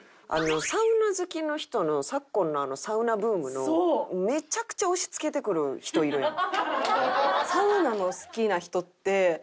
サウナ好きの人の昨今のサウナブームのめちゃくちゃ押し付けてくる人いるやん。